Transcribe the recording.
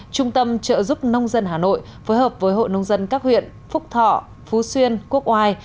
trung tâm trợ giúp nông dân hà nội phối hợp với hội nông dân các huyện phúc thọ phú xuyên quốc oai